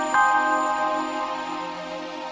tapi ada nombor yang kalah